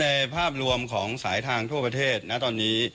ภาพรวมของสายทางทั่วประเทศนะตอนนี้